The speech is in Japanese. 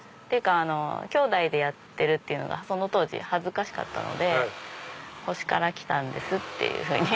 きょうだいでやってるのがその当時恥ずかしかったので星から来たんですっていうふうに。